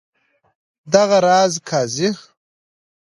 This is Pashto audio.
دغه راز قاضي.